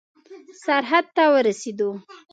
سرحد ته ورسېدو.